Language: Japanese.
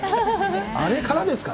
あれからですから。